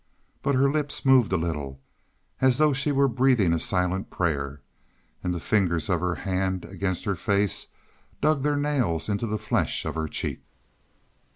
But her lips moved a little, as though she were breathing a silent prayer, and the fingers of her hand against her face dug their nails into the flesh of her cheek.